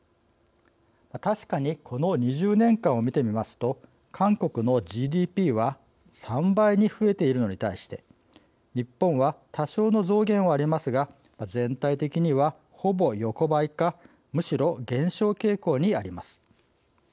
確かにこの２０年間を見てみますと韓国のＧＤＰは３倍に増えているのに対して日本は多少の増減はありますが全体的には、ほぼ横ばいかむしろ減少傾向にあります。